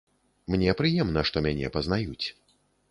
Мне прыемна, што мяне пазнаюць.